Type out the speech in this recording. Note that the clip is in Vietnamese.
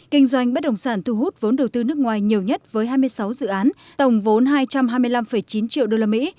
kinh doanh bất đồng sản thu hút vốn đầu tư nước ngoài nhiều nhất với hai mươi sáu dự án tổng vốn hai trăm hai mươi năm chín triệu đô la mỹ